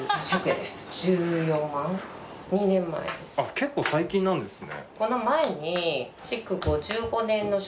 結構最近なんですね。